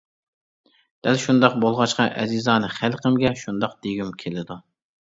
دەل شۇنداق بولغاچقا ئەزىزانە خەلقىمگە شۇنداق دېگۈم كېلىدۇ.